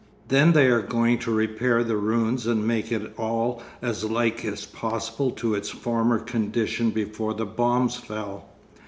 'Then they are going to repair the ruins and make it all as like as possible to its former condition before the bombs fell.